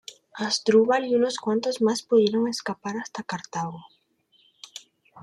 Asdrúbal y unos cuantos más pudieron escapar hacia Cartago.